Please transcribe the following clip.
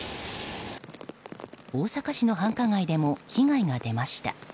大阪市の繁華街でも被害が出ました。